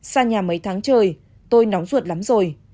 xa nhà mấy tháng trời tôi nóng ruột lắm rồi